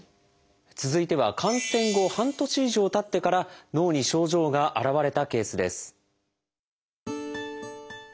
続いては感染後半年以上たってから脳に症状が現れたケースです。